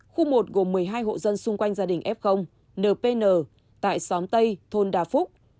khu một gồm một mươi hai hộ dân xung quanh gia đình f npn tại xóm tây thôn đà phúc